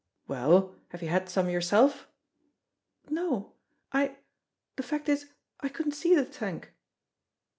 "Well, have you had some yourself?" "No. I the fact is I couldn't see the tank."